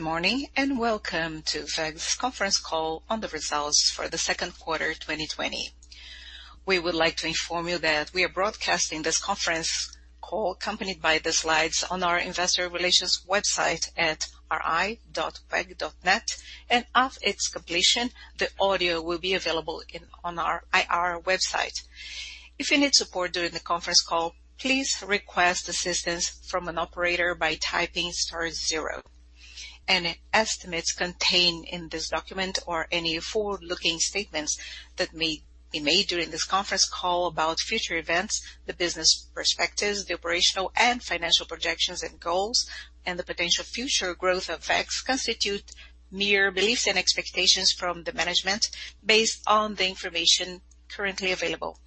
Good morning, welcome to WEG's conference call on the results for the second quarter 2020. We would like to inform you that we are broadcasting this conference call accompanied by the slides on our investor relations website at ri.weg.net. At its completion, the audio will be available on our IR website. If you need support during the conference call, please request assistance from an operator by typing star zero. Any estimates contained in this document or any forward-looking statements that may be made during this conference call about future events, the business perspectives, the operational and financial projections and goals, and the potential future growth effects constitute mere beliefs and expectations from the management based on the information currently available.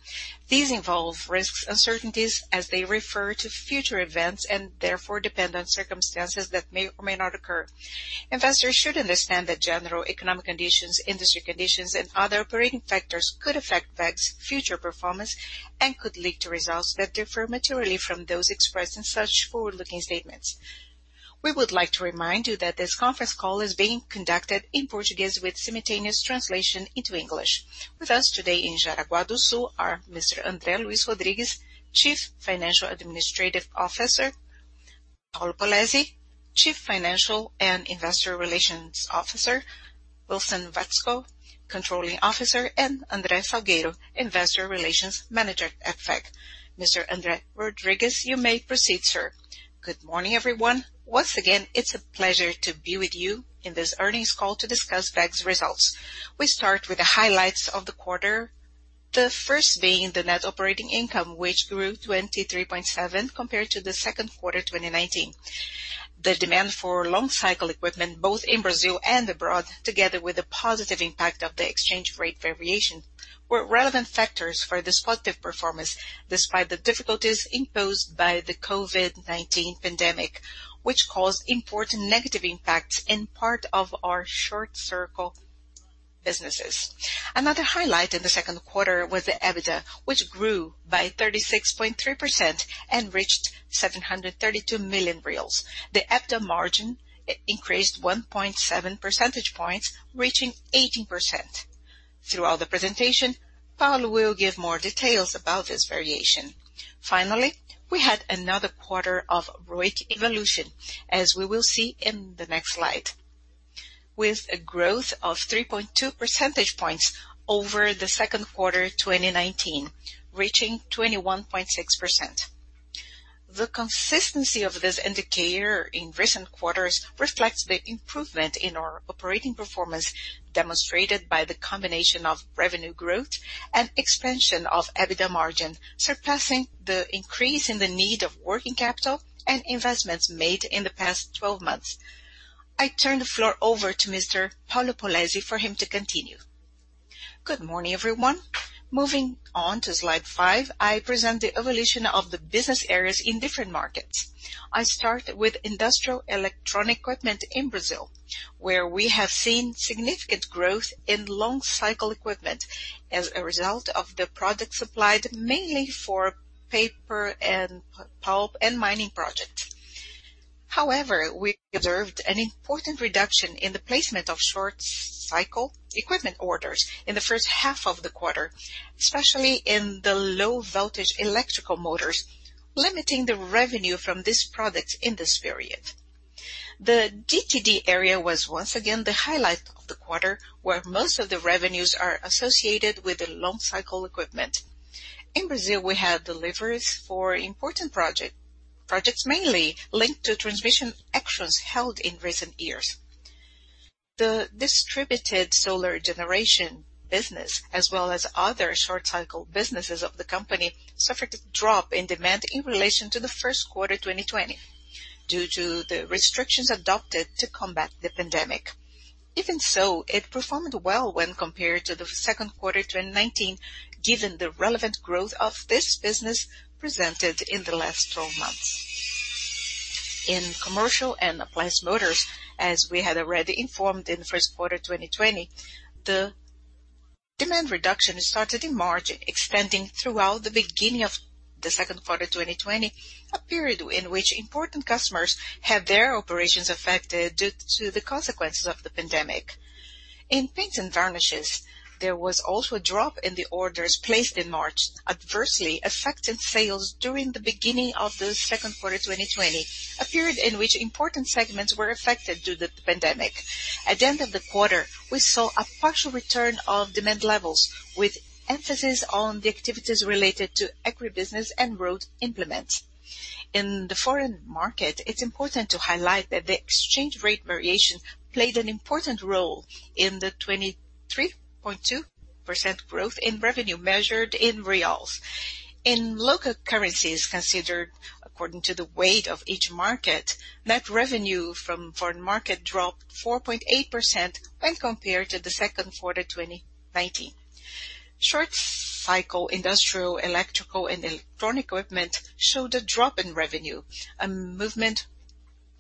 These involve risks, uncertainties, as they refer to future events and therefore depend on circumstances that may or may not occur. Investors should understand that general economic conditions, industry conditions, and other operating factors could affect WEG's future performance and could lead to results that differ materially from those expressed in such forward-looking statements. We would like to remind you that this conference call is being conducted in Portuguese with simultaneous translation into English. With us today in Jaraguá do Sul are Mr. André Luís Rodrigues, Chief Financial Administrative Officer, Paulo Polezi, Chief Financial and Investor Relations Officer, Wilson Watzko, Controlling Officer, and André Salgueiro, Investor Relations Manager at WEG. Mr. André Rodrigues, you may proceed, sir. Good morning, everyone. Once again, it's a pleasure to be with you in this earnings call to discuss WEG's results. We start with the highlights of the quarter, the first being the net operating income, which grew 23.7% compared to the second quarter 2019. The demand for long-cycle equipment both in Brazil and abroad, together with the positive impact of the exchange rate variation, were relevant factors for this positive performance despite the difficulties imposed by the COVID-19 pandemic, which caused important negative impacts in part of our short-cycle businesses. Another highlight in the second quarter was the EBITDA, which grew by 36.3% and reached 732 million reais. The EBITDA margin increased 1.7 percentage points, reaching 18%. Throughout the presentation, Paulo will give more details about this variation. Finally, we had another quarter of ROIC evolution, as we will see in the next slide. With a growth of 3.2 percentage points over the second quarter 2019, reaching 21.6%. The consistency of this indicator in recent quarters reflects the improvement in our operating performance, demonstrated by the combination of revenue growth and expansion of EBITDA margin, surpassing the increase in the need of working capital and investments made in the past 12 months. I turn the floor over to Mr. Paulo Polezi for him to continue. Good morning, everyone. Moving on to slide five, I present the evolution of the business areas in different markets. I start with industrial electronic equipment in Brazil, where we have seen significant growth in long-cycle equipment as a result of the product supplied mainly for paper and pulp and mining projects. We observed an important reduction in the placement of short-cycle equipment orders in the first half of the quarter, especially in the low-voltage electrical motors, limiting the revenue from this product in this period. The T&D area was once again the highlight of the quarter, where most of the revenues are associated with the long-cycle equipment. In Brazil, we had deliveries for important projects mainly linked to transmission auctions held in recent years. The distributed solar generation business, as well as other short-cycle businesses of the company, suffered a drop in demand in relation to the first quarter 2020 due to the restrictions adopted to combat the pandemic. Even so, it performed well when compared to the second quarter 2019, given the relevant growth of this business presented in the last 12 months. In commercial and appliance motors, as we had already informed in the first quarter 2020, the demand reduction started in March, expanding throughout the beginning of the second quarter 2020, a period in which important customers had their operations affected due to the consequences of the pandemic. In paints and varnishes, there was also a drop in the orders placed in March, adversely affecting sales during the beginning of the second quarter 2020, a period in which important segments were affected due to the pandemic. At the end of the quarter, we saw a partial return of demand levels, with emphasis on the activities related to agribusiness and road implement. In the foreign market, it's important to highlight that the exchange rate variation played an important role in the 23.2% growth in revenue measured in reals. In local currencies considered according to the weight of each market, net revenue from foreign market dropped 4.8% when compared to the second quarter 2019. Short-cycle industrial, electrical, and electronic equipment showed a drop in revenue,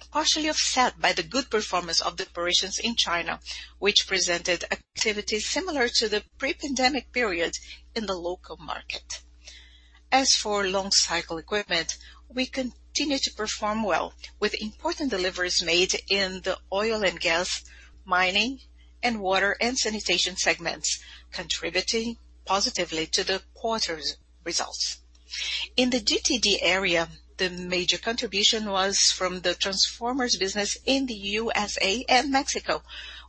a movement partially offset by the good performance of the operations in China, which presented activities similar to the pre-pandemic periods in the local market. As for long cycle equipment, we continue to perform well with important deliveries made in the oil and gas, mining, and water and sanitation segments, contributing positively to the quarter's results. In the GTD area, the major contribution was from the transformers business in the USA and Mexico,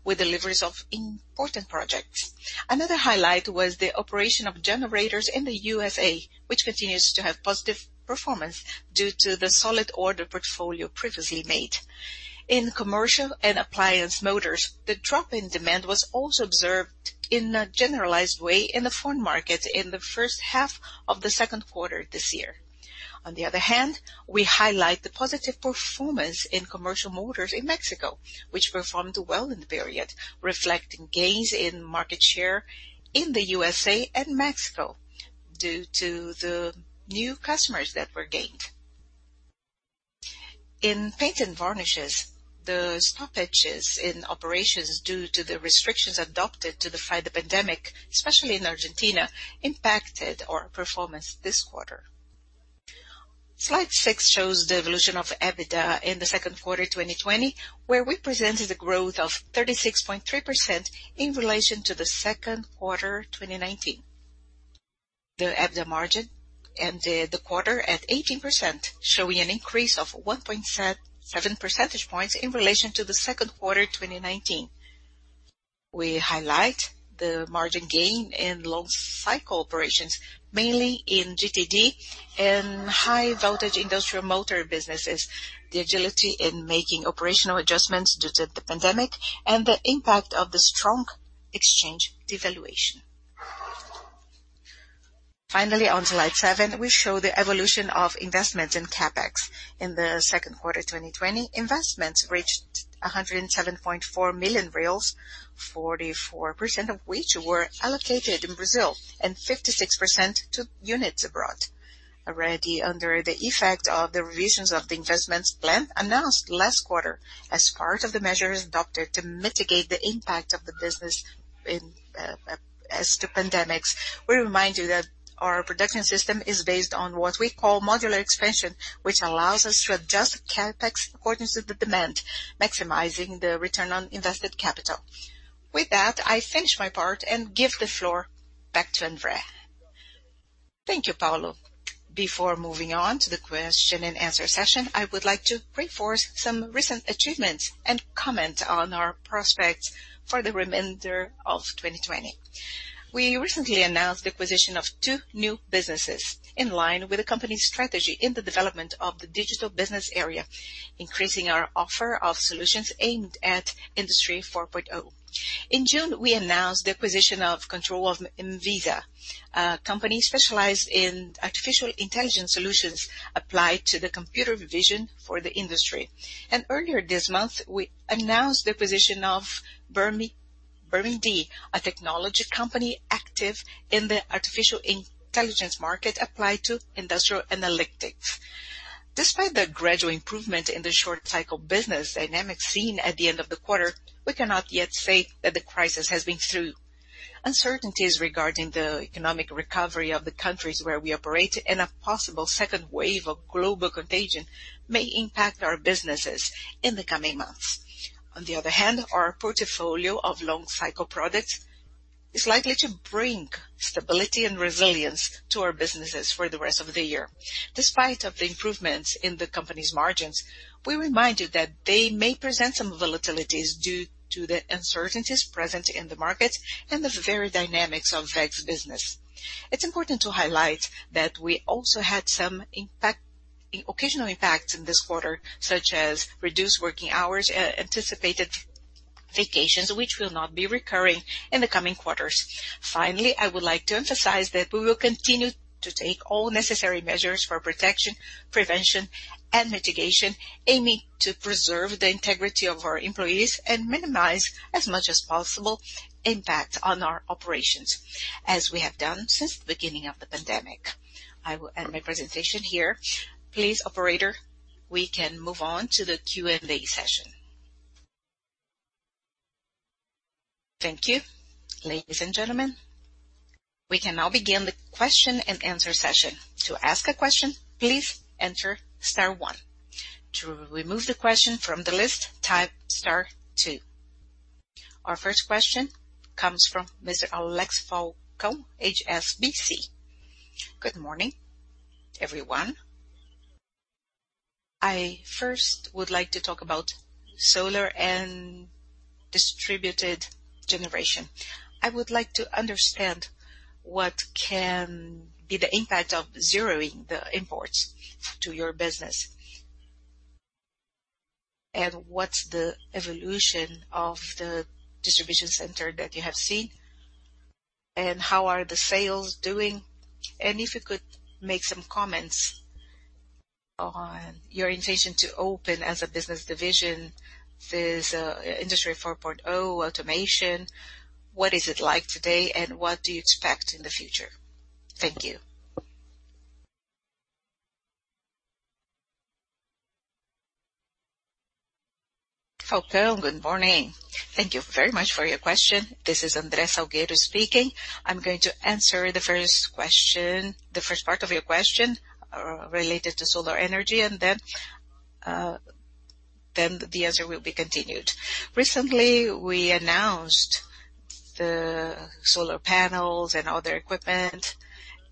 with deliveries of important projects. Another highlight was the operation of generators in the USA, which continues to have positive performance due to the solid order portfolio previously made. In commercial and appliance motors, the drop in demand was also observed in a generalized way in the foreign market in the first half of the second quarter this year. On the other hand, we highlight the positive performance in commercial motors in Mexico, which performed well in the period, reflecting gains in market share in the USA and Mexico due to the new customers that were gained. In paints and varnishes, the stoppages in operations due to the restrictions adopted to defy the pandemic, especially in Argentina, impacted our performance this quarter. Slide six shows the evolution of EBITDA in the second quarter 2020, where we presented a growth of 36.3% in relation to the second quarter 2019. The EBITDA margin ended the quarter at 18%, showing an increase of 1.7 percentage points in relation to the second quarter 2019. We highlight the margin gain in long cycle operations, mainly in GTD and high voltage industrial motor businesses, the agility in making operational adjustments due to the pandemic, and the impact of the strong exchange devaluation. Finally, on slide seven, we show the evolution of investment in CapEx. In the second quarter 2020, investments reached 107.4 million reais, 44% of which were allocated in Brazil and 56% to units abroad. Already under the effect of the revisions of the investments plan announced last quarter as part of the measures adopted to mitigate the impact of the business as to pandemics, we remind you that our production system is based on what we call modular expansion, which allows us to adjust CapEx according to the demand, maximizing the return on invested capital. With that, I finish my part and give the floor back to André. Thank you, Paulo. Before moving on to the question and answer session, I would like to reinforce some recent achievements and comment on our prospects for the remainder of 2020. We recently announced the acquisition of two new businesses in line with the company's strategy in the development of the digital business area, increasing our offer of solutions aimed at Industry 4.0. In June, we announced the acquisition of control of Mvisia, a company specialized in artificial intelligence solutions applied to the computer vision for the industry. Earlier this month, we announced the acquisition of BirminD, a technology company active in the artificial intelligence market applied to industrial analytics. Despite the gradual improvement in the short cycle business dynamic seen at the end of the quarter, we cannot yet say that the crisis has been through. Uncertainties regarding the economic recovery of the countries where we operate and a possible second wave of global contagion may impact our businesses in the coming months. On the other hand, our portfolio of long cycle products is likely to bring stability and resilience to our businesses for the rest of the year. Despite the improvements in the company's margins, we remind you that they may present some volatilities due to the uncertainties present in the market and the very dynamics of WEG's business. It's important to highlight that we also had some occasional impacts in this quarter, such as reduced working hours, anticipated vacations, which will not be recurring in the coming quarters. Finally, I would like to emphasize that we will continue to take all necessary measures for protection, prevention, and mitigation, aiming to preserve the integrity of our employees and minimize as much as possible impact on our operations, as we have done since the beginning of the pandemic. I will end my presentation here. Please, operator, we can move on to the Q&A session. Thank you. Ladies and gentlemen, we can now begin the question-and-answer session. To ask a question, please enter star one. To remove the question from the list, type star two. Our first question comes from Mr. Alex Falcao, HSBC. Good morning, everyone. I first would like to talk about solar and distributed generation. I would like to understand what can be the impact of zeroing the imports to your business. What's the evolution of the distribution center that you have seen, and how are the sales doing? If you could make some comments on your intention to open as a business division this Industry 4.0 automation, what is it like today, and what do you expect in the future? Thank you. Falcao, good morning. Thank you very much for your question. This is André Salgueiro speaking. I'm going to answer the first part of your question related to solar energy, and then the answer will be continued. Recently, we announced the solar panels and other equipment.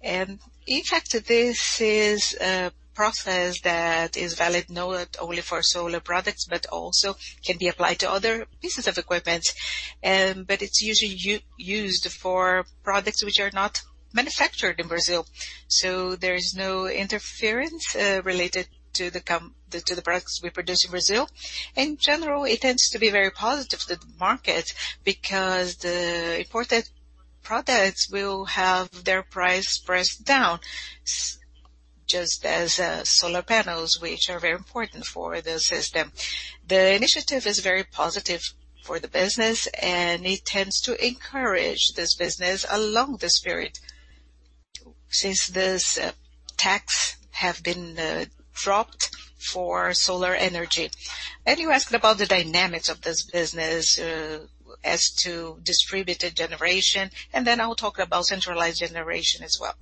In fact, this is a process that is valid not only for solar products, but also can be applied to other pieces of equipment. It's usually used for products which are not manufactured in Brazil. There is no interference related to the products we produce in Brazil. In general, it tends to be very positive to the market because the imported products will have their price pressed down, just as solar panels, which are very important for the system. The initiative is very positive for the business, and it tends to encourage this business along this period, since this tax have been dropped for solar energy. You asked about the dynamics of this business as to distributed generation, and then I will talk about centralized generation as well.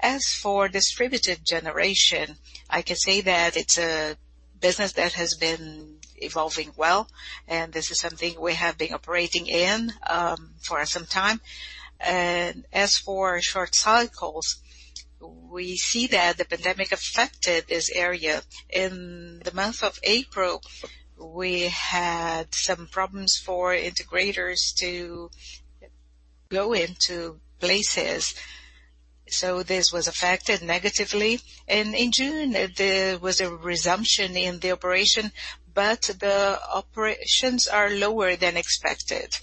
As for distributed generation, I can say that it's a business that has been evolving well, and this is something we have been operating in for some time. As for short cycles, we see that the pandemic affected this area. In the month of April, we had some problems for integrators to go into places. This was affected negatively. In June, there was a resumption in the operation, but the operations are lower than expected.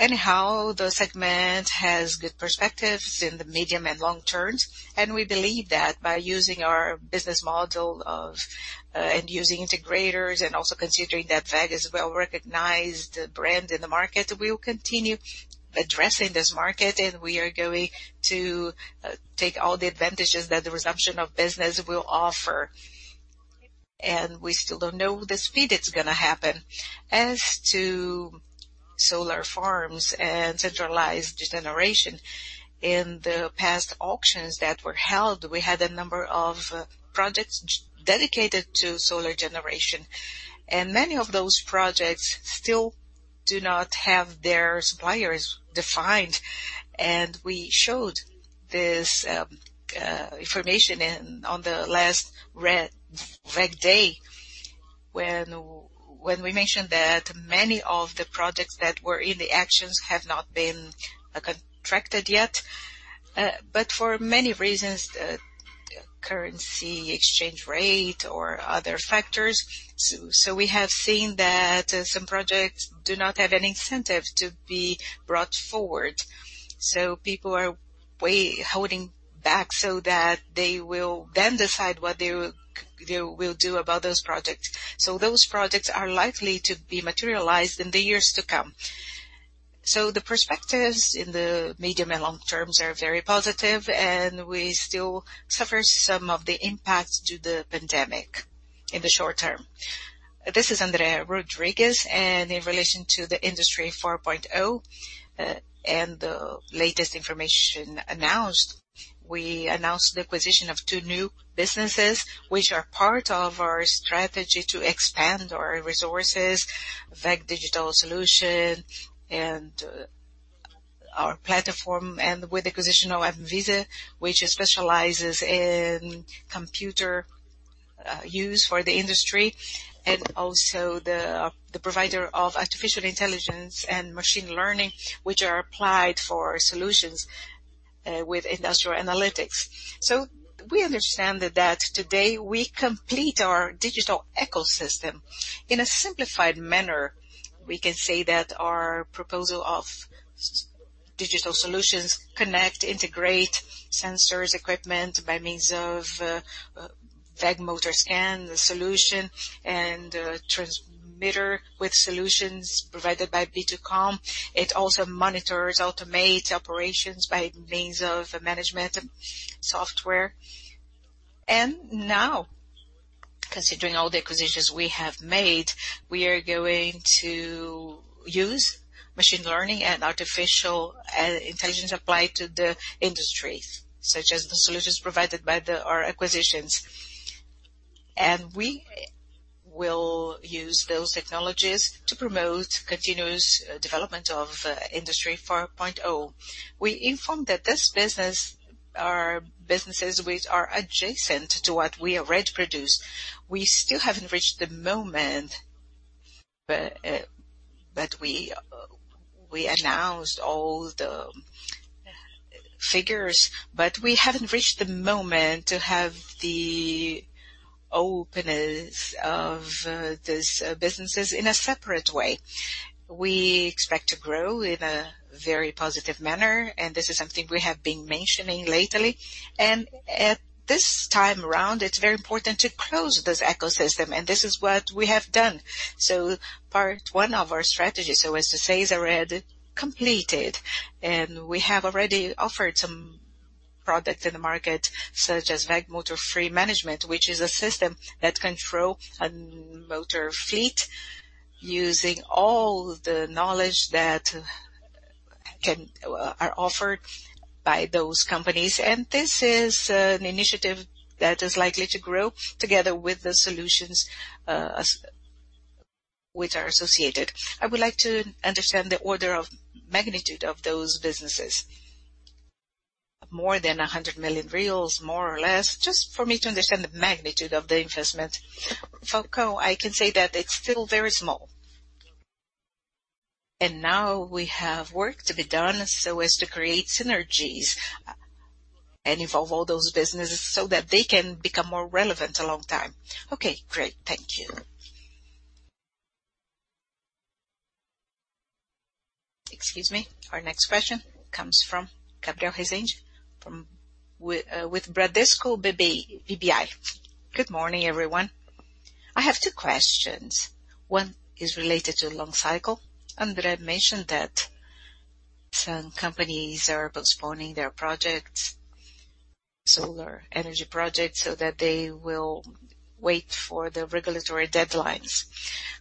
The segment has good perspectives in the medium and long terms, and we believe that by using our business model of using integrators and also considering that WEG is a well-recognized brand in the market, we will continue addressing this market, and we are going to take all the advantages that the resumption of business will offer. We still don't know the speed it's going to happen. As to solar farms and centralized generation, in the past auctions that were held, we had a number of projects dedicated to solar generation. Many of those projects still do not have their suppliers defined. We showed this information on the last WEG Day, when we mentioned that many of the projects that were in the auctions have not been contracted yet, for many reasons, currency exchange rate or other factors. We have seen that some projects do not have an incentive to be brought forward. People are holding back so that they will then decide what they will do about those projects. Those projects are likely to be materialized in the years to come. The perspectives in the medium and long terms are very positive, and we still suffer some of the impacts due to the pandemic in the short term. This is André Rodrigues. In relation to the Industry 4.0 and the latest information announced, we announced the acquisition of two new businesses, which are part of our strategy to expand our resources, WEG Digital Solutions and our platform. With acquisition of Mvisia, which specializes in computer vision for the industry, and also the provider of artificial intelligence and machine learning, which are applied for solutions with industrial analytics. We understand that today we complete our digital ecosystem. In a simplified manner, we can say that our proposal of digital solutions connect, integrate sensors, equipment by means of WEG Motor Scan solution, and transmitter with solutions provided by V2COM. It also monitors, automates operations by means of management software. Now, considering all the acquisitions we have made, we are going to use machine learning and artificial intelligence applied to the industries, such as the solutions provided by our acquisitions. We will use those technologies to promote continuous development of Industry 4.0. We informed that these businesses which are adjacent to what we already produce. We announced all the figures, but we haven't reached the moment to have the openness of these businesses in a separate way. We expect to grow in a very positive manner, and this is something we have been mentioning lately. At this time around, it's very important to close this ecosystem, and this is what we have done. Part one of our strategy, so as to say, is already completed, and we have already offered some product in the market, such as WEG Motion Fleet Management, which is a system that controls a motor fleet using all the knowledge that are offered by those companies. This is an initiative that is likely to grow together with the solutions which are associated. I would like to understand the order of magnitude of those businesses. More than 100 million, more or less? Just for me to understand the magnitude of the investment. Falcao, I can say that it's still very small. Now we have work to be done so as to create synergies and involve all those businesses so that they can become more relevant a long time. Okay, great. Thank you. Excuse me. Our next question comes from Gabriel Rezende with Bradesco BBI. Good morning, everyone. I have two questions. One is related to long cycle. André mentioned that some companies are postponing their solar energy projects so that they will wait for the regulatory deadlines.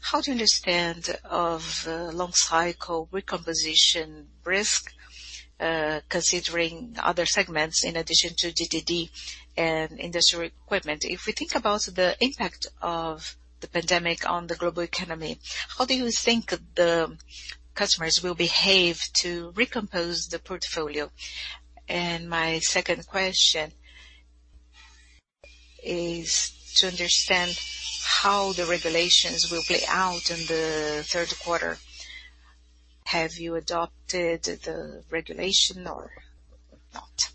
How do you understand of long cycle recomposition risk, considering other segments in addition to GTD and industrial equipment? If we think about the impact of the pandemic on the global economy, how do you think the customers will behave to recompose the portfolio? My second question is to understand how the regulations will play out in the third quarter. Have you adopted the regulation or not?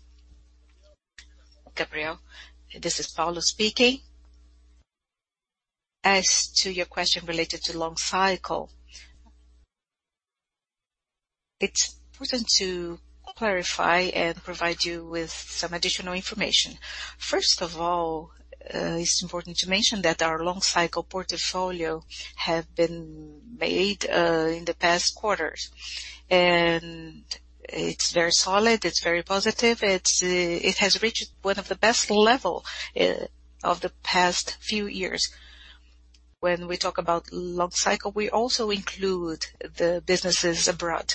Gabriel, this is Paulo speaking. As to your question related to long cycle, it's important to clarify and provide you with some additional information. First of all, it's important to mention that our long cycle portfolio have been made in the past quarters, and it's very solid, it's very positive. It has reached one of the best level of the past few years. When we talk about long cycle, we also include the businesses abroad.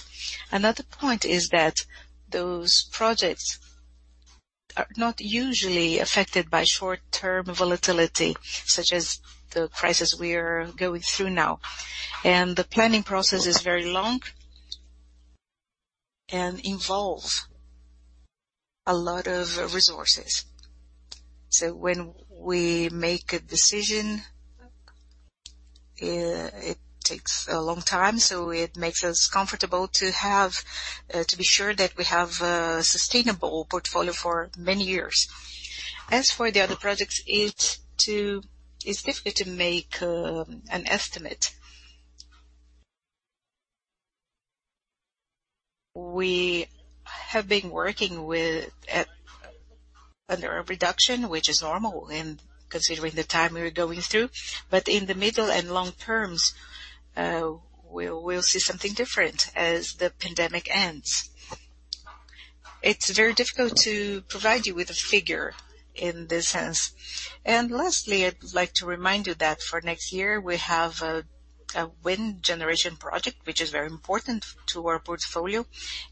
Another point is that those projects are not usually affected by short-term volatility, such as the crisis we're going through now. The planning process is very long and involves a lot of resources. When we make a decision, it takes a long time, so it makes us comfortable to be sure that we have a sustainable portfolio for many years. As for the other projects, it's difficult to make an estimate. We have been working under a reduction, which is normal considering the time we're going through. In the middle and long terms, we'll see something different as the pandemic ends. It's very difficult to provide you with a figure in this sense. Lastly, I'd like to remind you that for next year, we have a wind generation project, which is very important to our portfolio,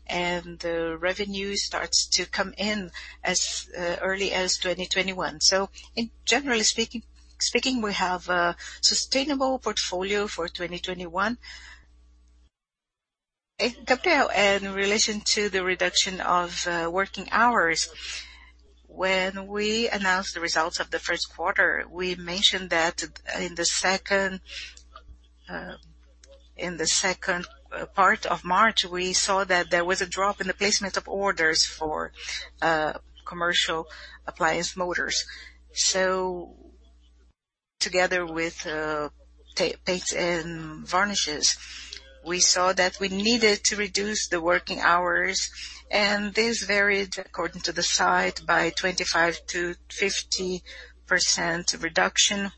and the revenue starts to come in as early as 2021. In generally speaking, we have a sustainable portfolio for 2021. Gabriel, in relation to the reduction of working hours, when we announced the results of the first quarter, we mentioned that in the second part of March, we saw that there was a drop in the placement of orders for commercial appliance motors. Together with paints and varnishes, we saw that we needed to reduce the working hours, and this varied according to the site by 25%-50% reduction.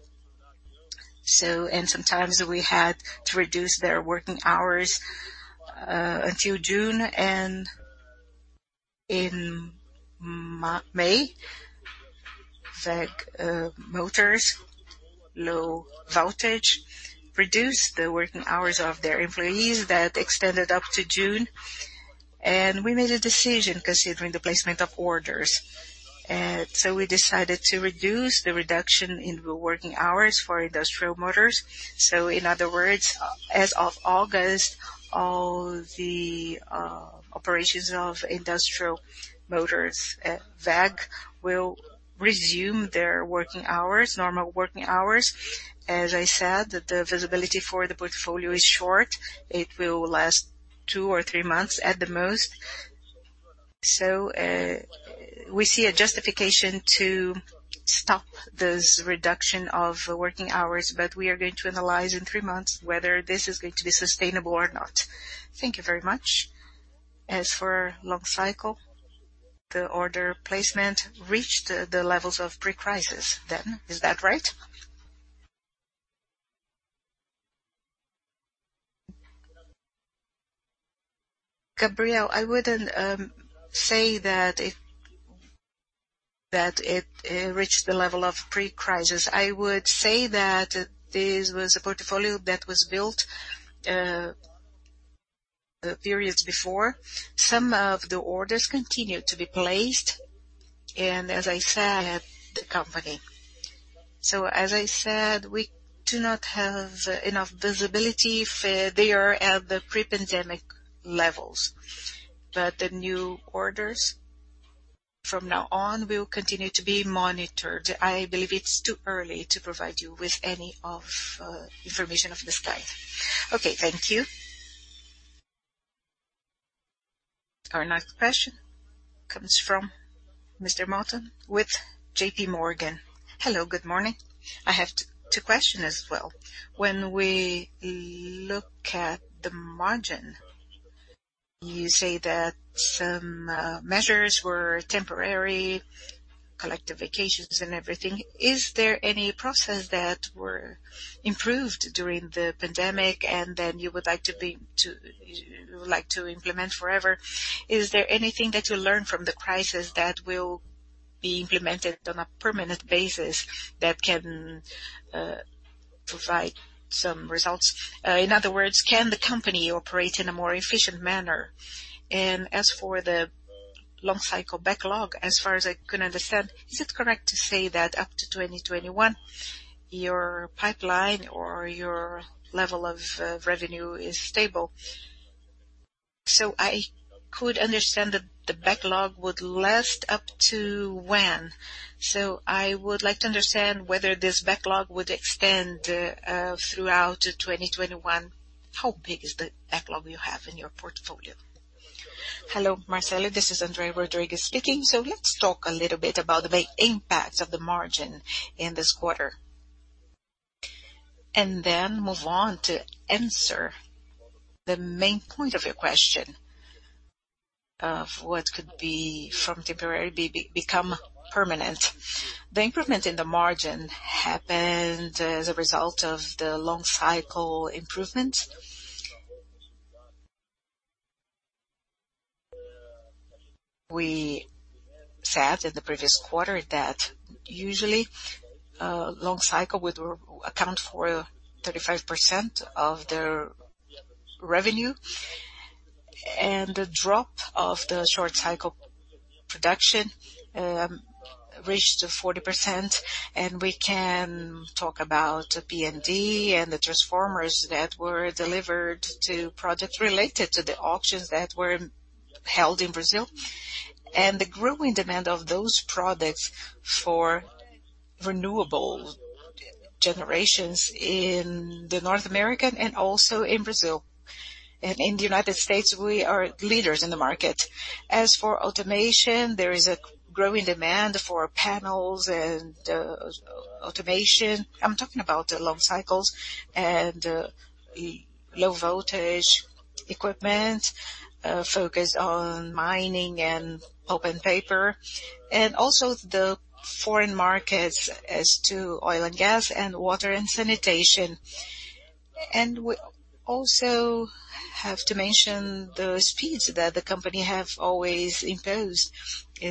Sometimes we had to reduce their working hours until June. In May, WEG Motors low voltage reduced the working hours of their employees that extended up to June. We made a decision considering the placement of orders. We decided to reduce the reduction in working hours for industrial motors. In other words, as of August, all the operations of industrial motors at WEG will resume their normal working hours. As I said, the visibility for the portfolio is short. It will last two or three months at the most. We see a justification to stop this reduction of working hours, but we are going to analyze in three months whether this is going to be sustainable or not. Thank you very much. As for long cycle, the order placement reached the levels of pre-crisis then. Is that right? Gabriel, I wouldn't say that it reached the level of pre-crisis. I would say that this was a portfolio that was built periods before. Some of the orders continued to be placed. As I said, we do not have enough visibility if they are at the pre-pandemic levels. The new orders from now on will continue to be monitored. I believe it's too early to provide you with any of information of this type. Okay. Thank you. Our next question comes from Mr. Motta with JP Morgan. Hello, good morning. I have two question as well. When we look at the margin, you say that some measures were temporary, collective vacations and everything. Is there any process that were improved during the pandemic and then you would like to implement forever? Is there anything that you learned from the crisis that will be implemented on a permanent basis that can provide some results? In other words, can the company operate in a more efficient manner? As for the long cycle backlog, as far as I can understand, is it correct to say that up to 2021, your pipeline or your level of revenue is stable? I could understand the backlog would last up to when. I would like to understand whether this backlog would extend throughout 2021. How big is the backlog you have in your portfolio? Hello, Marcelo, this is André Rodriguez speaking. Let's talk a little bit about the impacts of the margin in this quarter, and then move on to answer the main point of your question of what could be from temporary become permanent. The improvement in the margin happened as a result of the long cycle improvement. We said in the previous quarter that usually a long cycle would account for 35% of the revenue, and the drop of the short cycle production reached a 40%, and we can talk about T&D and the transformers that were delivered to projects related to the auctions that were held in Brazil. The growing demand of those products for renewable generations in the North American and also in Brazil. In the United States, we are leaders in the market. As for automation, there is a growing demand for panels and automation. I'm talking about the long cycles and the low voltage equipment, focus on mining and pulp and paper, and also the foreign markets as to oil and gas, and water and sanitation. We also have to mention the speeds that the company has always imposed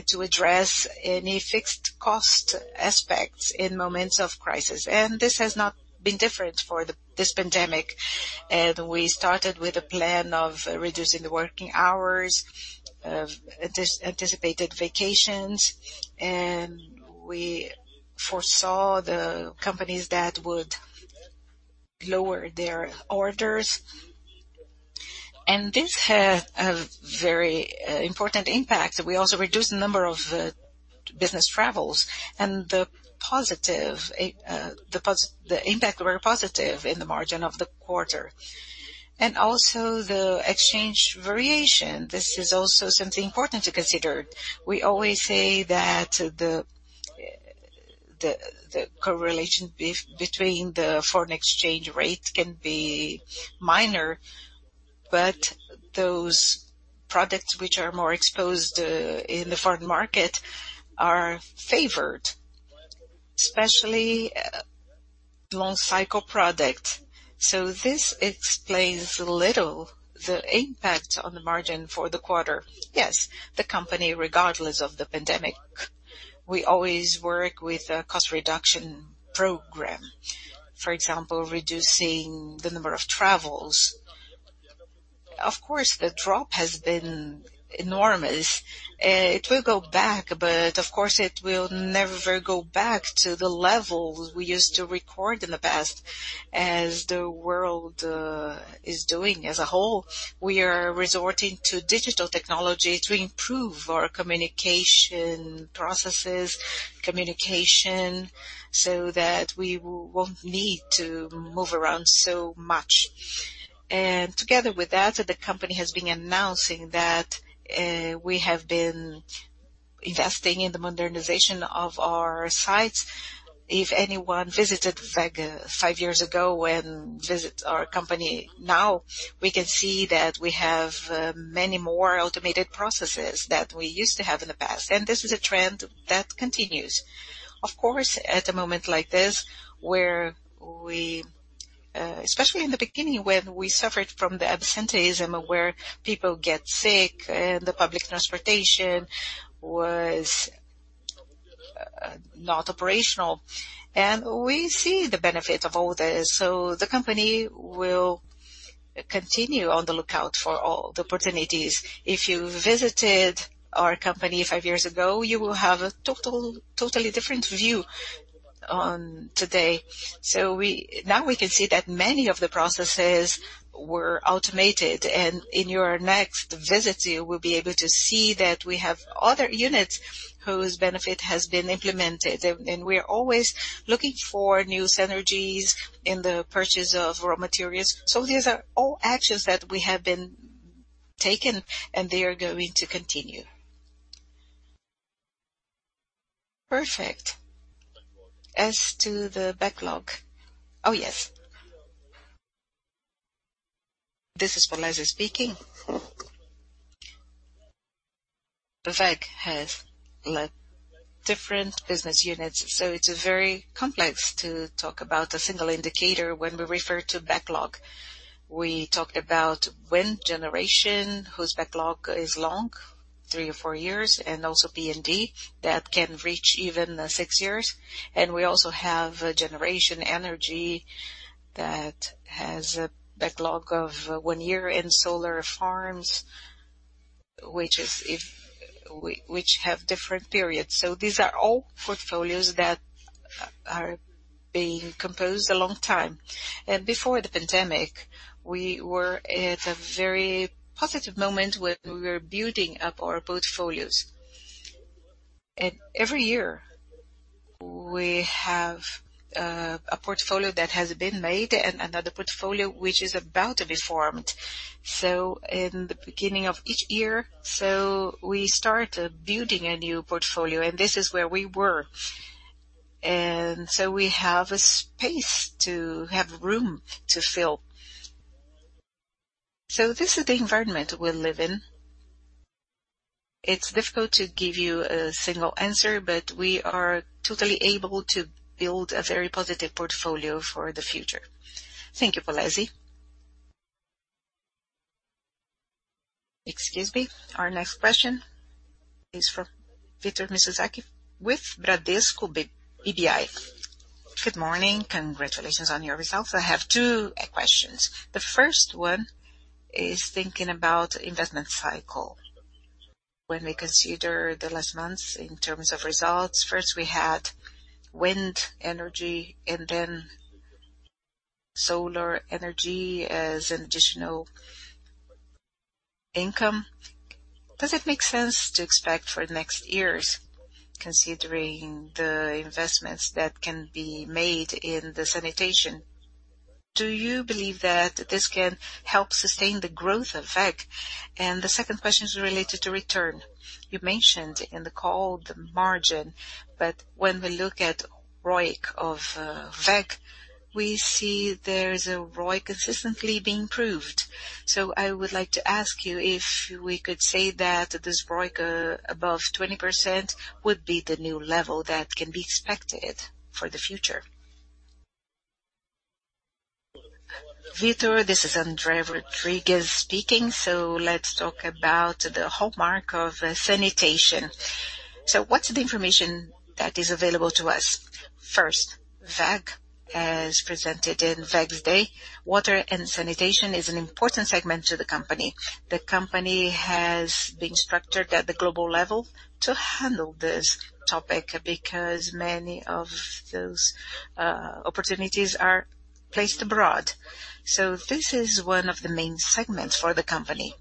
to address any fixed cost aspects in moments of crisis. This has not been different for this pandemic. We started with a plan of reducing the working hours, anticipated vacations, and we foresaw the companies that would lower their orders. This had a very important impact. We also reduced the number of business travels and the impact was positive in the margin of the quarter. Also the exchange variation. This is also something important to consider. We always say that the correlation between the foreign exchange rates can be minor, but those products which are more exposed in the foreign market are favored, especially long cycle products. This explains a little the impact on the margin for the quarter. Yes, the company, regardless of the pandemic, we always work with a cost reduction program. For example, reducing the number of travels. Of course, the drop has been enormous. It will go back, but of course it will never go back to the levels we used to record in the past as the world is doing as a whole. We are resorting to digital technology to improve our communication processes, communication, so that we won't need to move around so much. Together with that, the company has been announcing that we have been investing in the modernization of our sites. If anyone visited WEG five years ago and visits our company now, we can see that we have many more automated processes than we used to have in the past. This is a trend that continues. Of course, at a moment like this, especially in the beginning when we suffered from the absenteeism where people get sick and the public transportation was not operational. We see the benefit of all this, so the company will continue on the lookout for all the opportunities. If you visited our company five years ago, you will have a totally different view on today. Now we can see that many of the processes were automated, and in your next visit, you will be able to see that we have other units whose benefit has been implemented. We are always looking for new synergies in the purchase of raw materials. These are all actions that we have been taking, and they are going to continue. Perfect. As to the backlog. Oh, yes. This is Polezi speaking. WEG has different business units. It's very complex to talk about a single indicator when we refer to backlog. We talked about wind generation, whose backlog is long, three or four years. Also T&D, that can reach even six years. We also have generation energy that has a backlog of one year in solar farms, which have different periods. These are all portfolios that are being composed a long time. Before the pandemic, we were at a very positive moment where we were building up our portfolios. Every year we have a portfolio that has been made and another portfolio which is about to be formed. In the beginning of each year, so we start building a new portfolio. This is where we were. We have a space to have room to fill. This is the environment we live in. It's difficult to give you a single answer, but we are totally able to build a very positive portfolio for the future. Thank you, Polezi. Excuse me. Our next question is from Victor Mizusaki with Bradesco BBI. Good morning. Congratulations on your results. I have two questions. The first one is thinking about investment cycle. When we consider the last months in terms of results, first we had wind energy and then solar energy as additional income. Does it make sense to expect for the next years, considering the investments that can be made in the sanitation? Do you believe that this can help sustain the growth of WEG? The second question is related to return. You mentioned in the call the margin, but when we look at ROIC of WEG, we see there's a ROIC consistently being improved. I would like to ask you if we could say that this ROIC above 20% would be the new level that can be expected for the future. Victor, this is André Rodrigues speaking. Let's talk about the hallmark of sanitation. What's the information that is available to us? First, WEG, as presented in WEG Day, water and sanitation is an important segment to the company. The company has been structured at the global level to handle this topic because many of those opportunities are placed abroad. This is one of the main segments for the company.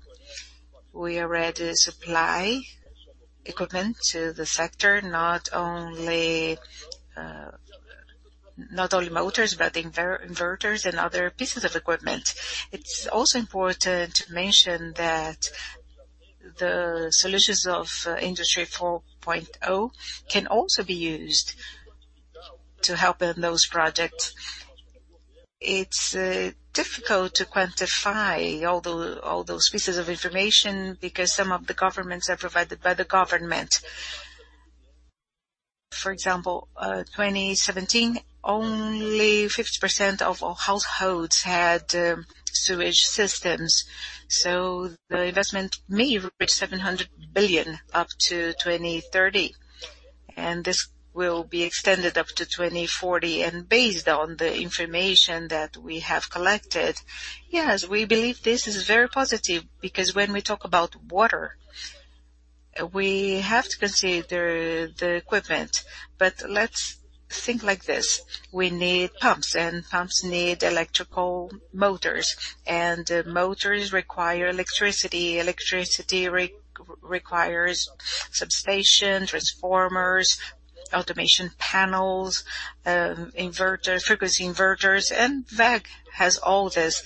We already supply equipment to the sector, not only motors, but inverters and other pieces of equipment. It's also important to mention that the solutions of Industry 4.0 can also be used to help in those projects. It's difficult to quantify all those pieces of information because some of the governments are provided by the government. For example, in 2017, only 50% of all households had sewage systems. The investment may reach 700 billion up to 2030, and this will be extended up to 2040. Based on the information that we have collected, yes, we believe this is very positive because when we talk about water, we have to consider the equipment. Let's think like this. We need pumps, and pumps need electrical motors, and motors require electricity. Electricity requires substation, transformers, automation panels, frequency inverters, and WEG has all this.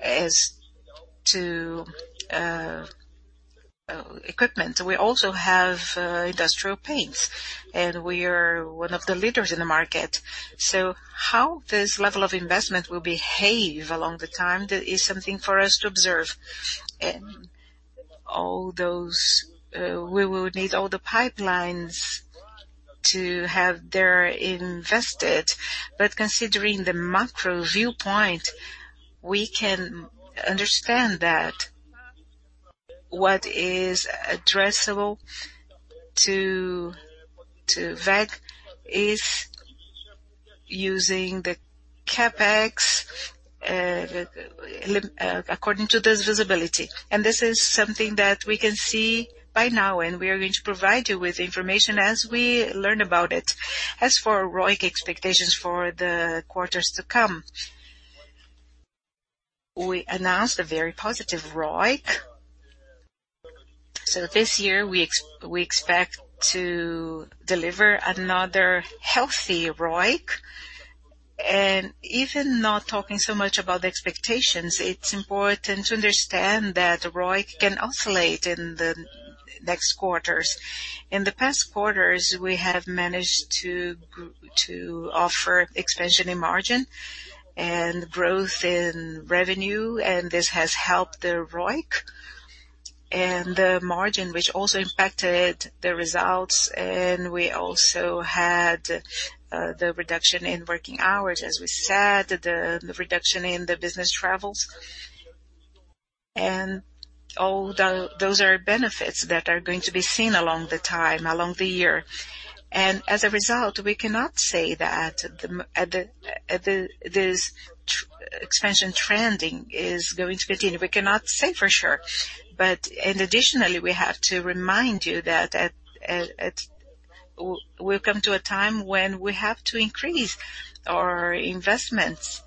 As to equipment, we also have industrial paints, and we are one of the leaders in the market. How this level of investment will behave along the time, that is something for us to observe. All those, we will need all the pipelines to have them invested. Considering the macro viewpoint, we can understand that what is addressable to WEG is using the CapEx according to this visibility. This is something that we can see by now, and we are going to provide you with information as we learn about it. As for ROIC expectations for the quarters to come, we announced a very positive ROIC. This year we expect to deliver another healthy ROIC. Even not talking so much about the expectations, it's important to understand that ROIC can oscillate in the next quarters. In the past quarters, we have managed to offer expansion in margin and growth in revenue, and this has helped the ROIC and the margin, which also impacted the results. We also had the reduction in working hours, as we said, the reduction in the business travels. All those are benefits that are going to be seen along the time, along the year. As a result, we cannot say that this expansion trending is going to continue. We cannot say for sure. Additionally, we have to remind you that we've come to a time when we have to increase our investments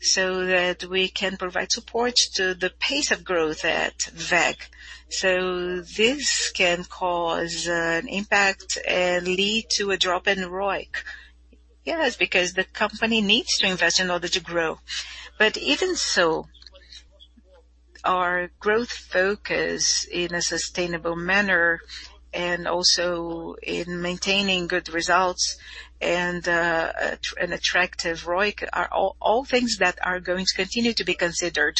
so that we can provide support to the pace of growth at WEG. This can cause an impact and lead to a drop in ROIC. Yes, because the company needs to invest in order to grow. Even so, our growth focus in a sustainable manner and also in maintaining good results and an attractive ROIC are all things that are going to continue to be considered.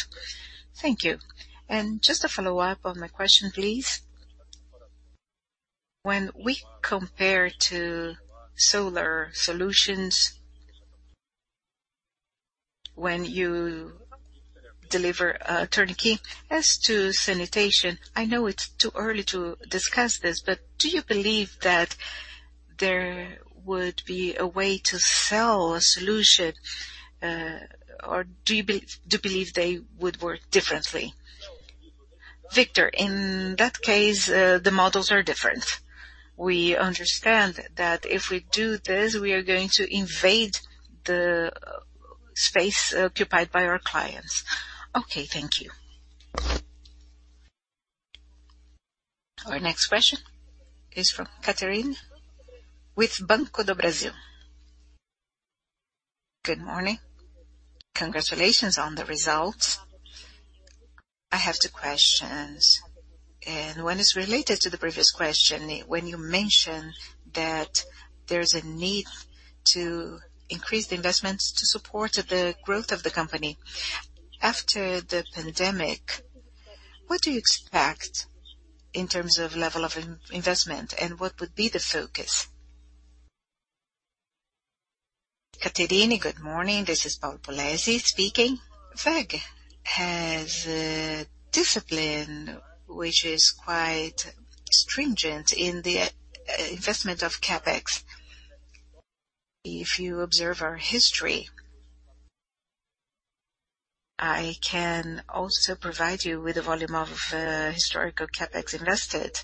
Thank you. Just to follow up on my question, please. When we compare to solar solutions, when you deliver a turnkey as to sanitation, I know it's too early to discuss this, but do you believe that there would be a way to sell a solution or do you believe they would work differently? Victor, in that case, the models are different. We understand that if we do this, we are going to invade the space occupied by our clients. Okay. Thank you. Our next question is from Catherine with Banco do Brasil. Good morning. Congratulations on the results. I have two questions, one is related to the previous question. When you mentioned that there's a need to increase the investments to support the growth of the company. After the pandemic, what do you expect in terms of level of investment, what would be the focus? Catherine, good morning. This is Paulo Polezi speaking. WEG has a discipline which is quite stringent in the investment of CapEx. If you observe our history, I can also provide you with a volume of historical CapEx invested,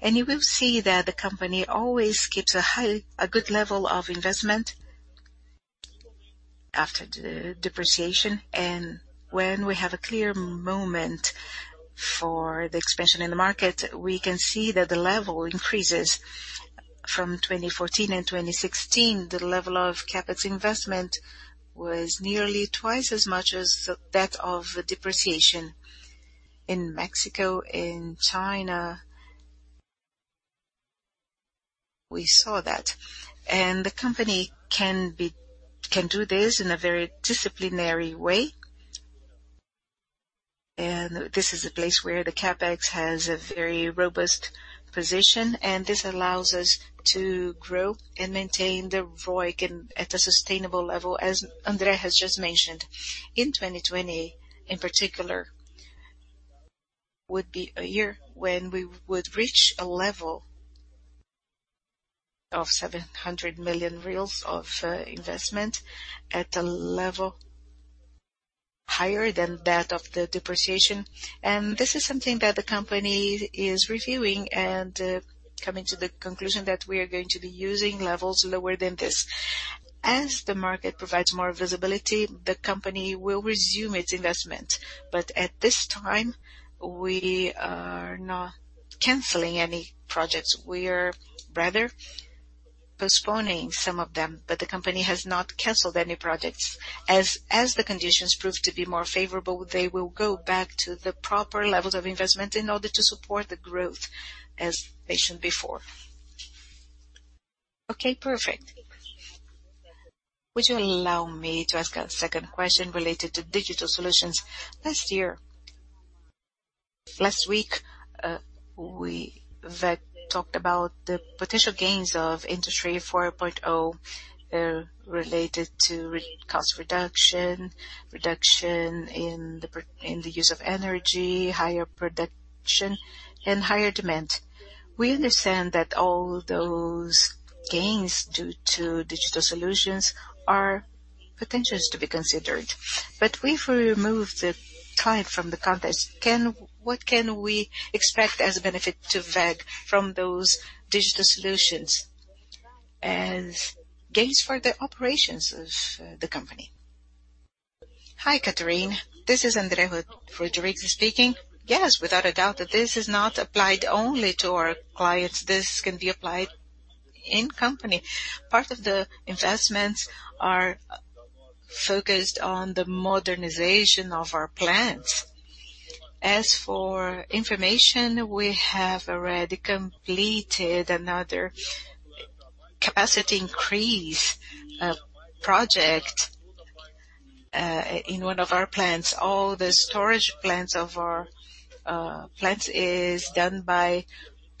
and you will see that the company always keeps a good level of investment after the depreciation. When we have a clear moment for the expansion in the market, we can see that the level increases. From 2014 and 2016, the level of CapEx investment was nearly twice as much as that of depreciation. In Mexico, in China, we saw that. The company can do this in a very disciplinary way. This is a place where the CapEx has a very robust position, and this allows us to grow and maintain the ROIC at a sustainable level, as André has just mentioned. In 2020, in particular, would be a year when we would reach a level of 700 million reais of investment at a level higher than that of the depreciation. This is something that the company is reviewing and coming to the conclusion that we are going to be using levels lower than this. As the market provides more visibility, the company will resume its investment. At this time, we are not canceling any projects. We are rather postponing some of them, but the company has not canceled any projects. As the conditions prove to be more favorable, they will go back to the proper levels of investment in order to support the growth as mentioned before. Okay, perfect. Would you allow me to ask a second question related to digital solutions? Last week, WEG talked about the potential gains of Industry 4.0 related to cost reduction in the use of energy, higher production, and higher demand. We understand that all those gains due to digital solutions are potentials to be considered. If we remove the client from the context, what can we expect as a benefit to WEG from those digital solutions as gains for the operations of the company? Hi, Catherine. This is André Rodrigues speaking. Yes, without a doubt. This is not applied only to our clients. This can be applied in company. Part of the investments are focused on the modernization of our plants. As for information, we have already completed another capacity increase project in one of our plants. All the storage plants of our plant is done by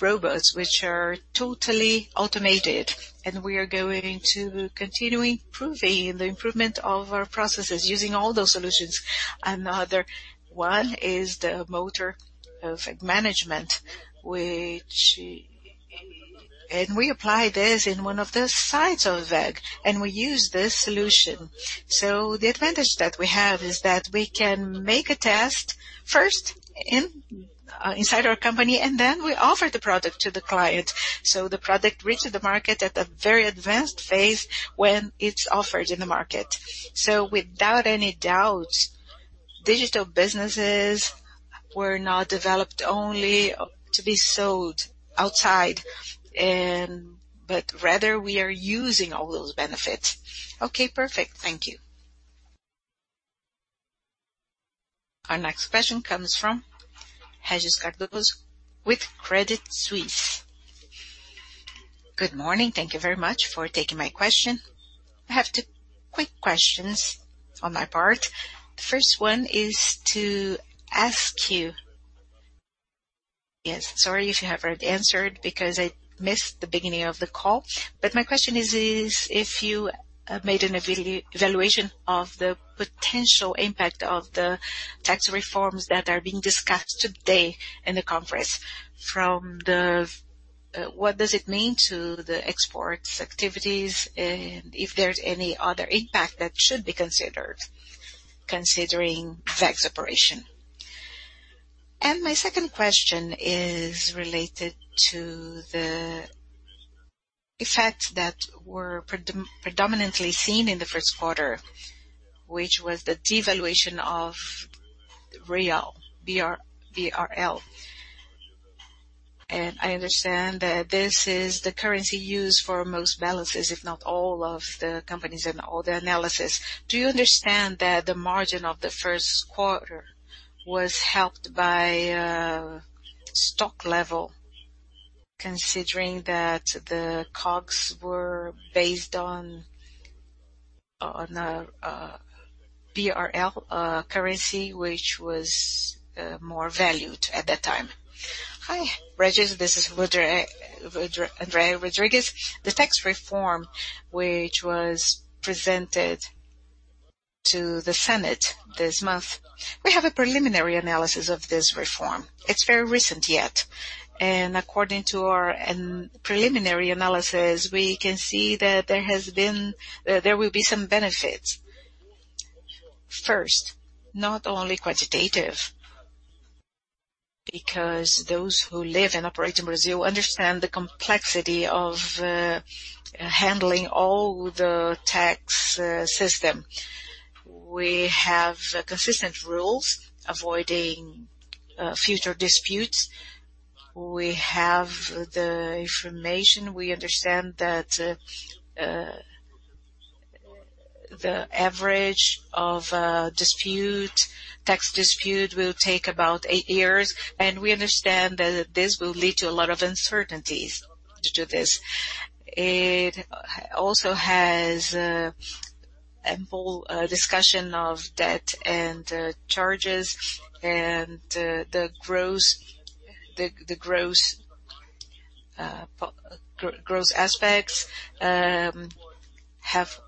robots, which are totally automated. We are going to continue improving the improvement of our processes using all those solutions. Another one is the WEG Motion Fleet Management. We apply this in one of the sites of WEG. We use this solution. The advantage that we have is that we can make a test first inside our company. Then we offer the product to the client. The product reaches the market at a very advanced phase when it's offered in the market. Without any doubt, digital businesses were not developed only to be sold outside. Rather, we are using all those benefits. Okay, perfect. Thank you. Our next question comes from Regis Cardoso with Credit Suisse. Good morning. Thank you very much for taking my question. I have two quick questions on my part. The first one, sorry if you have already answered because I missed the beginning of the call. My question is if you made an evaluation of the potential impact of the tax reforms that are being discussed today in the conference. What does it mean to the export activities and if there's any other impact that should be considered considering WEG's operation? My second question is related to the effects that were predominantly seen in the first quarter, which was the devaluation of real, BRL. I understand that this is the currency used for most balances, if not all of the companies and all the analysis. Do you understand that the margin of the first quarter was helped by stock level considering that the COGS were based on a BRL currency, which was more valued at that time? Hi, Regis. This is André Rodrigues. The tax reform which was presented to the Senate this month. We have a preliminary analysis of this reform. It's very recent yet, and according to our preliminary analysis, we can see that there will be some benefits. First, not only quantitative, because those who live and operate in Brazil understand the complexity of handling all the tax system. We have consistent rules avoiding future disputes. We have the information. We understand that the average of tax dispute will take about eight years and we understand that this will lead to a lot of uncertainties due to this. It also has ample discussion of debt and charges and the gross aspects, have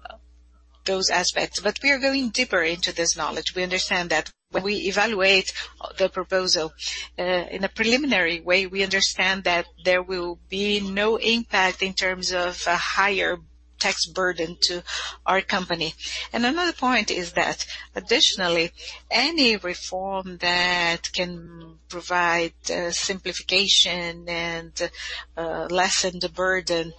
those aspects. We are going deeper into this knowledge. We understand that when we evaluate the proposal in a preliminary way, we understand that there will be no impact in terms of a higher tax burden to our company. Another point is that additionally, any reform that can provide simplification and lessen the burden.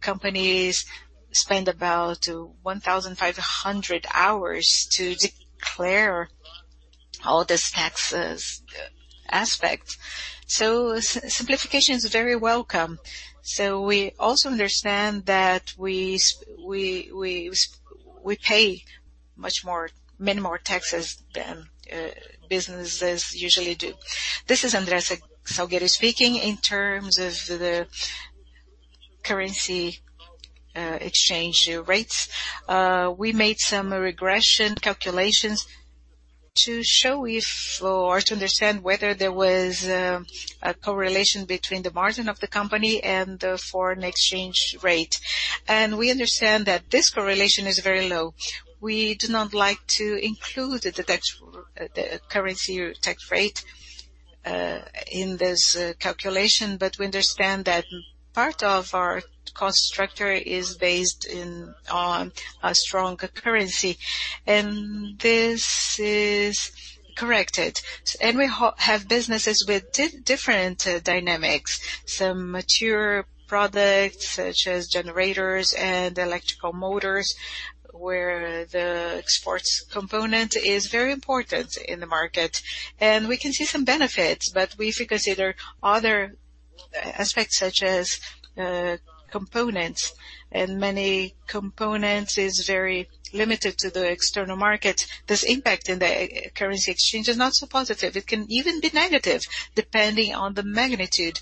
Companies spend about 1,500 hours to declare all these taxes aspects. Simplification is very welcome. We also understand that we pay many more taxes than businesses usually do. This is André Salgueiro speaking. In terms of the currency exchange rates, we made some regression calculations to show if, or to understand whether there was a correlation between the margin of the company and the foreign exchange rate. We understand that this correlation is very low. We do not like to include the currency tax rate in this calculation, but we understand that part of our cost structure is based on a strong currency, and this is corrected. We have businesses with different dynamics. Some mature products, such as generators and electrical motors, where the exports component is very important in the market, and we can see some benefits. If we consider other aspects, such as components, and many components is very limited to the external market, this impact in the currency exchange is not so positive. It can even be negative, depending on the magnitude.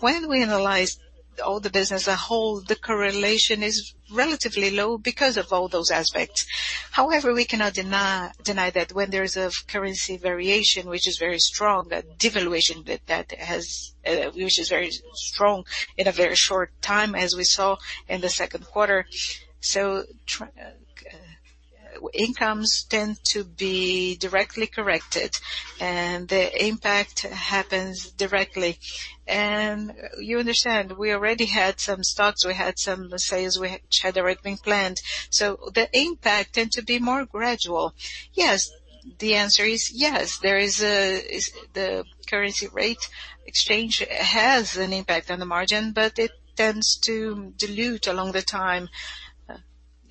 When we analyze all the business as a whole, the correlation is relatively low because of all those aspects. However, we cannot deny that when there is a currency variation, which is very strong, a devaluation that which is very strong in a very short time, as we saw in the second quarter. Incomes tend to be directly corrected, and the impact happens directly. You understand, we already had some stocks, we had some sales which had already been planned. The impact tend to be more gradual. Yes. The answer is yes. The currency rate exchange has an impact on the margin, but it tends to dilute along the time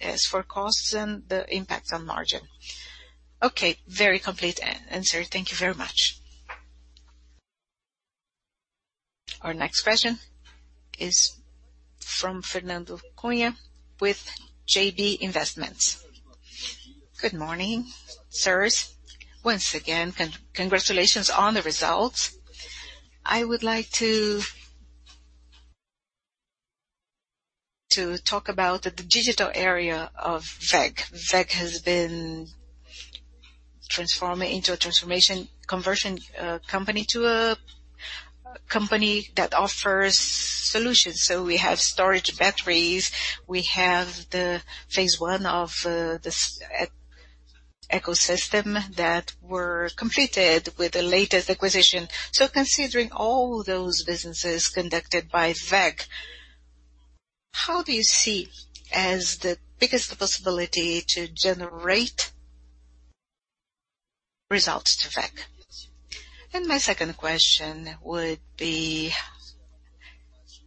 as for costs and the impact on margin. Okay. Very complete answer. Thank you very much. Our next question is from [Fernando Cunha] with JB Investments. Good morning, sirs. Once again, congratulations on the results. I would like to talk about the digital area of WEG.WEG has been transformed into a conversion company to a company that offers solutions. We have storage batteries. We have the phase 1 of this ecosystem that were completed with the latest acquisition. Considering all those businesses conducted by WEG, how do you see as the biggest possibility to generate results to WEG? My second question would be,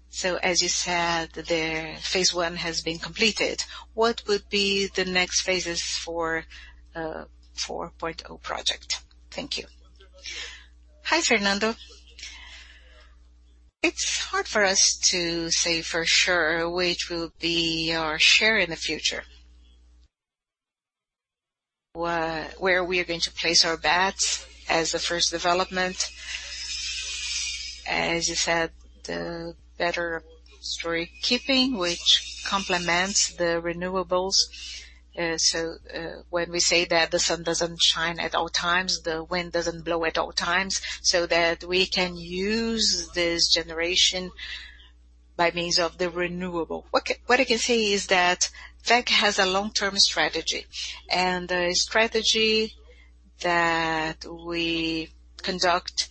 so as you said, the phase 1 has been completed. What would be the next phases for 4.0 project? Thank you. Hi, Fernando. It's hard for us to say for sure which will be our share in the future, where we are going to place our bets as the first development. As you said, the battery storage keeping, which complements the renewables. When we say that the sun doesn't shine at all times, the wind doesn't blow at all times, so that we can use this generation by means of the renewable. What I can say is that WEG has a long-term strategy, and a strategy that we conduct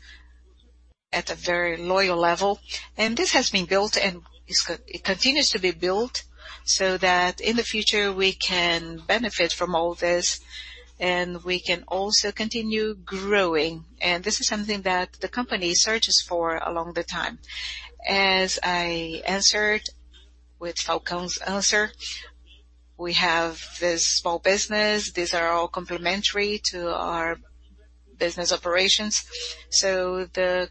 at a very loyal level. This has been built, and it continues to be built so that in the future, we can benefit from all this, and we can also continue growing. This is something that the company searches for along the time. As I answered with Falcao's answer, we have this small business. These are all complementary to our business operations. The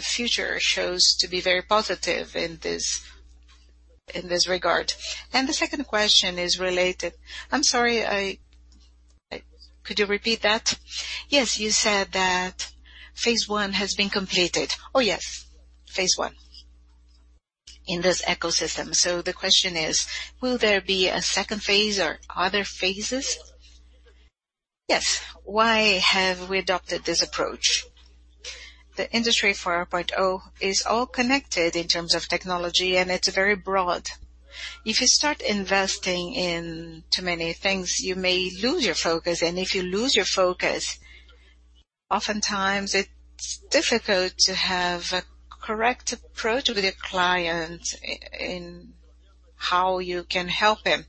future shows to be very positive in this regard. The second question is related. I'm sorry, could you repeat that? Yes, you said that phase 1 has been completed. Oh, yes. Phase 1 in this ecosystem. The question is, will there be a second phase or other phases? Yes. Why have we adopted this approach? The Industry 4.0 is all connected in terms of technology, and it's very broad. If you start investing in too many things, you may lose your focus. If you lose your focus, oftentimes it's difficult to have a correct approach with your client in how you can help him.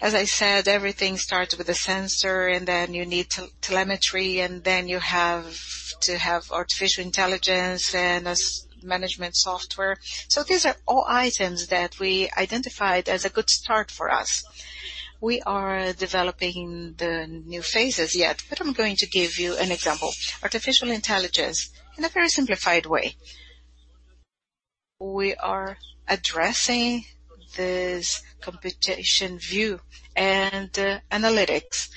As I said, everything starts with a sensor, you need telemetry, you have to have artificial intelligence and a management software. These are all items that we identified as a good start for us. We are developing the new phases yet, but I'm going to give you an example. Artificial intelligence, in a very simplified way. We are addressing this computation view and analytics.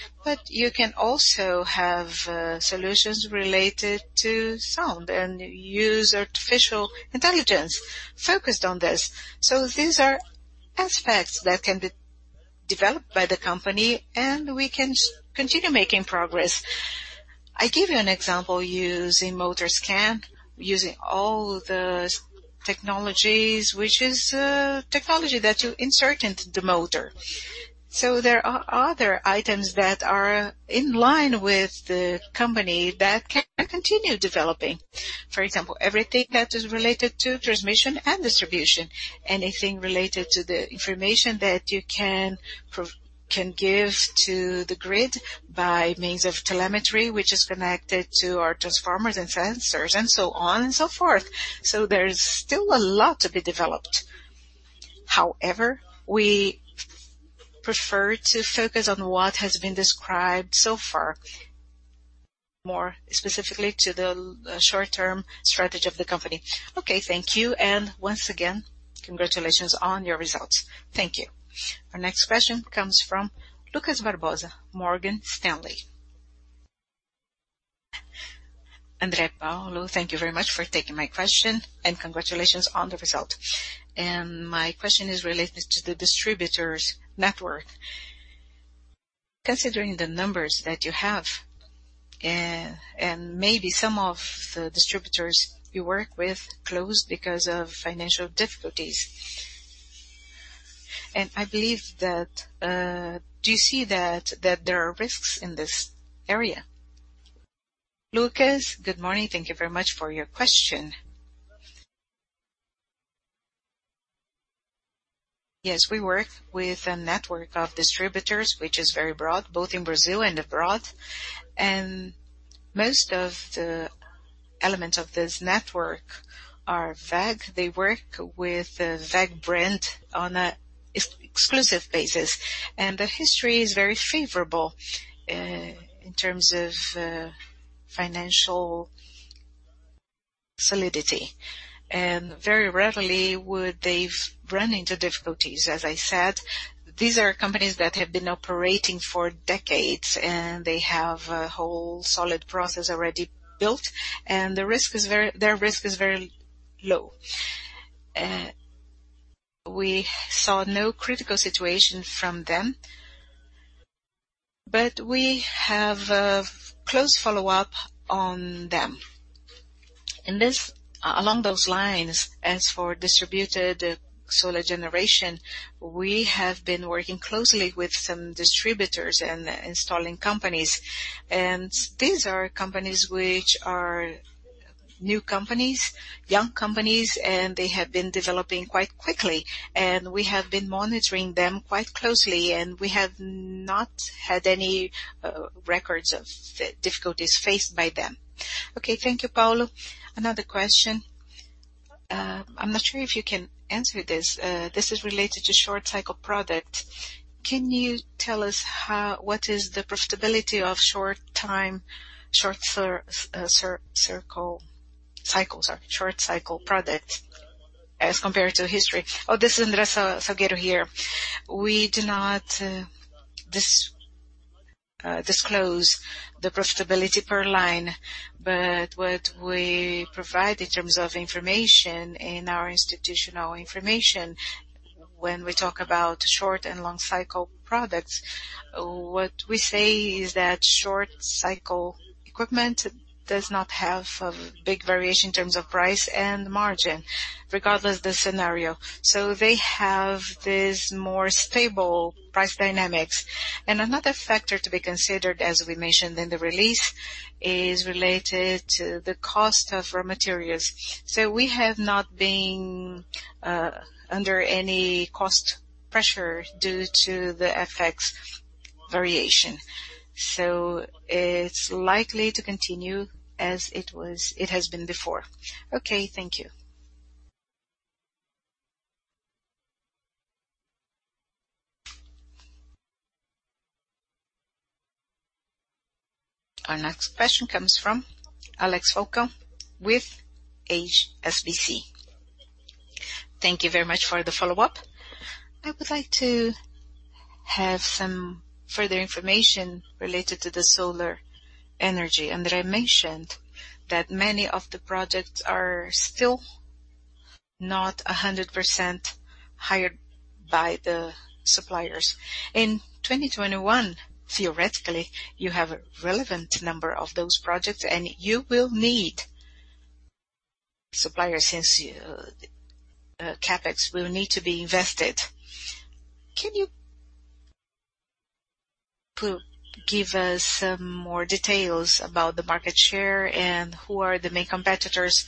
You can also have solutions related to sound and use artificial intelligence focused on this. These are aspects that can be developed by the company, and we can continue making progress. I give you an example using WEG Motor Scan, using all the technologies, which is technology that you insert into the motor. There are other items that are in line with the company that can continue developing. For example, everything that is related to transmission and distribution, anything related to the information that you can give to the grid by means of telemetry, which is connected to our transformers and sensors, and so on and so forth. There is still a lot to be developed. However, we prefer to focus on what has been described so far, more specifically to the short-term strategy of the company. Okay, thank you. Once again, congratulations on your results. Thank you. Our next question comes from Lucas Barbosa, Morgan Stanley. André, Paulo, thank you very much for taking my question, and congratulations on the result. My question is related to the distributors network. Considering the numbers that you have, and maybe some of the distributors you work with closed because of financial difficulties. I believe that, do you see that there are risks in this area? Lucas, good morning. Thank you very much for your question. Yes, we work with a network of distributors, which is very broad, both in Brazil and abroad. Most of the elements of this network are WEG. They work with the WEG brand on an exclusive basis, and the history is very favorable in terms of financial solidity. Very rarely would they run into difficulties. As I said, these are companies that have been operating for decades, and they have a whole solid process already built, and their risk is very low. We saw no critical situation from them, but we have a close follow-up on them. Along those lines, as for distributed solar generation, we have been working closely with some distributors and installing companies. These are companies which are new companies, young companies, and they have been developing quite quickly. We have been monitoring them quite closely, and we have not had any records of difficulties faced by them. Okay. Thank you, Paulo. Another question. I'm not sure if you can answer this. This is related to short cycle product. Can you tell us what is the profitability of short cycle product as compared to history? This is André Salgueiro here. We do not disclose the profitability per line. What we provide in terms of information in our institutional information, when we talk about short and long cycle products, what we say is that short cycle equipment does not have a big variation in terms of price and margin, regardless the scenario. They have this more stable price dynamics. Another factor to be considered, as we mentioned in the release, is related to the cost of raw materials. We have not been under any cost pressure due to the FX variation. It's likely to continue as it has been before. Okay, thank you. Our next question comes from Alex Falcao with HSBC. Thank you very much for the follow-up. I would like to have some further information related to the solar energy. I mentioned that many of the projects are still not 100% hired by the suppliers. In 2021, theoretically, you have a relevant number of those projects, and you will need suppliers since CapEx will need to be invested. Can you give us some more details about the market share and who are the main competitors?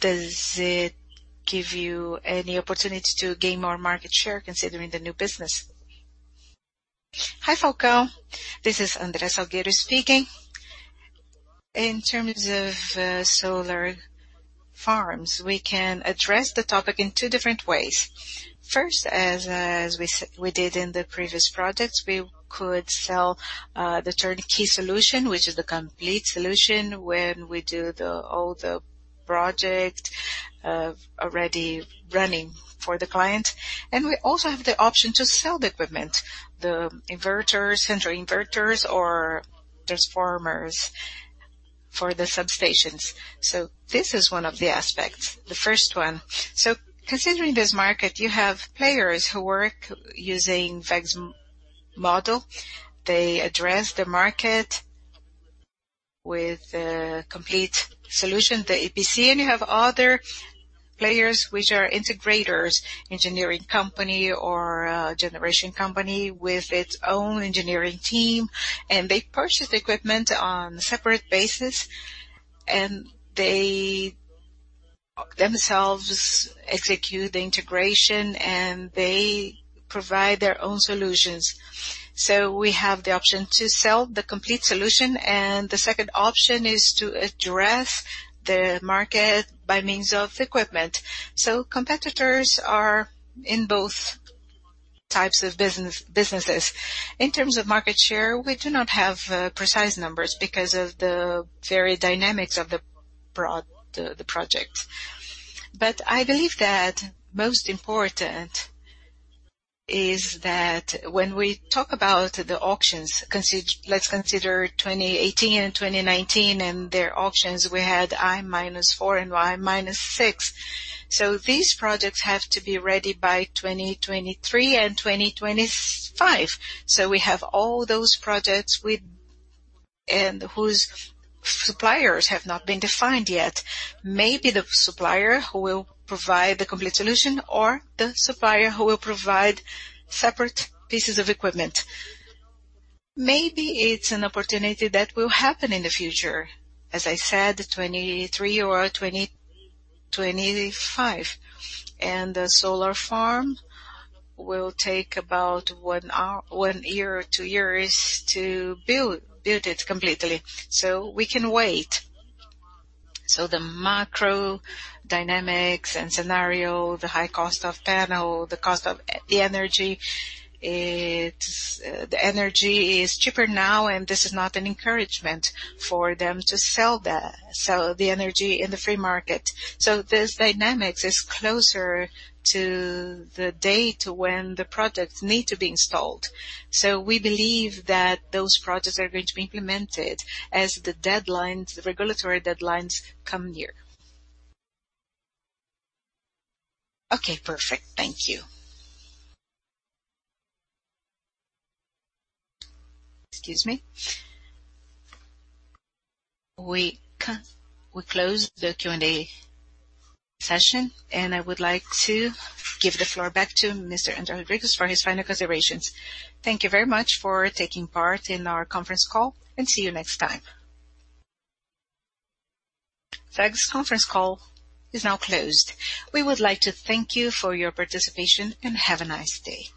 Does it give you any opportunity to gain more market share considering the new business? Hi, Falcao. This is André Salgueiro speaking. In terms of solar farms, we can address the topic in two different ways. First, as we did in the previous projects, we could sell the turnkey solution, which is the complete solution where we do all the project already running for the client. We also have the option to sell the equipment, the inverters, central inverters, or transformers for the substations. This is one of the aspects, the first one. Considering this market, you have players who work using WEG's model. They address the market with a complete solution, the EPC. You have other players which are integrators, engineering company or a generation company with its own engineering team. They purchase the equipment on separate basis. They themselves execute the integration. They provide their own solutions. We have the option to sell the complete solution. The second option is to address the market by means of equipment. Competitors are in both types of businesses. In terms of market share, we do not have precise numbers because of the very dynamics of the projects. I believe that most important is that when we talk about the auctions, let's consider 2018 and 2019 and their auctions, we had I minus four and Y minus six. These projects have to be ready by 2023 and 2025. We have all those projects and whose suppliers have not been defined yet. Maybe the supplier who will provide the complete solution, or the supplier who will provide separate pieces of equipment. Maybe it's an opportunity that will happen in the future, as I said, 2023 or 2025. The solar farm will take about one year or two years to build it completely. We can wait. The macro dynamics and scenario, the high cost of panel, the cost of the energy, the energy is cheaper now, this is not an encouragement for them to sell the energy in the free market. This dynamic is closer to the date when the products need to be installed. We believe that those projects are going to be implemented as the regulatory deadlines come near. Okay, perfect. Thank you. Excuse me. We close the Q&A session. I would like to give the floor back to Mr. André Rodrigues for his final considerations. Thank you very much for taking part in our conference call, and see you next time. WEG's conference call is now closed. We would like to thank you for your participation, and have a nice day.